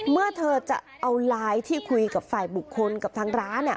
เมื่อเธอจะเอาไลน์ที่คุยกับฝ่ายบุคคลกับทางร้าน